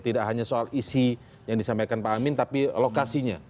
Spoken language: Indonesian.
tidak hanya soal isi yang disampaikan pak amin tapi lokasinya